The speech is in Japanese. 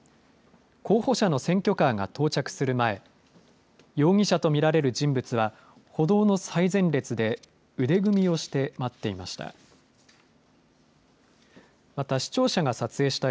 候補者の選挙カーが到着する前、容疑者と見られる人物は、歩道の最前列で腕組みをして待っていました。